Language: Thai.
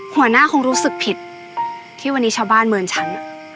หัวหน้าคงรู้สึกผิดที่วันนี้ชาวบ้านเหมือนฉัน